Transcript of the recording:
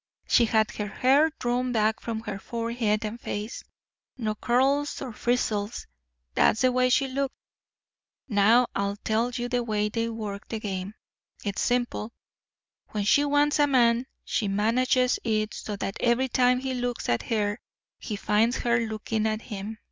She had her hair drawn back from her forehead and face—no curls or frizzes; that's the way she looked. Now I'll tell you the way they work the game; it's simple. When she wants a man, she manages it so that every time he looks at her he finds her looking at him.